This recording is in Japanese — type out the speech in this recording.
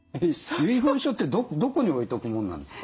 遺言書ってどこに置いとくもんなんですか？